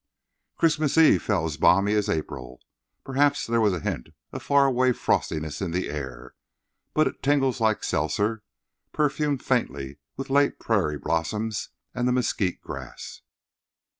Christmas Eve fell as balmy as April. Perhaps there was a hint of far away frostiness in the air, but it tingles like seltzer, perfumed faintly with late prairie blossoms and the mesquite grass.